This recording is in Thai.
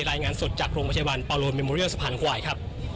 รายงานสดจากโรงประชาบันปรโมเมมอเรียลสะพานควายครับ